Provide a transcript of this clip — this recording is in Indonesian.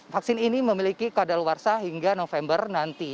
vaksin ini memiliki kadal warsa hingga november nanti